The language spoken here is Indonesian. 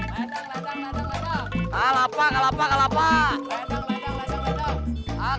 ledang ledang ledang